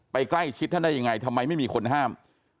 ใกล้ชิดท่านได้ยังไงทำไมไม่มีคนห้าม